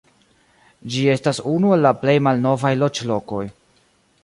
Ĝi estas unu el la plej malnovaj loĝlokoj.